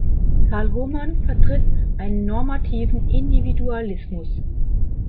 Karl Homann vertritt einen normativen Individualismus.